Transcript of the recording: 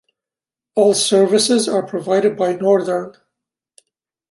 All services are provided by Northern.